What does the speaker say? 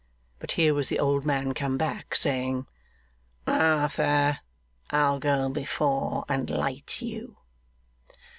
But here was the old man come back, saying, 'Arthur, I'll go before and light you.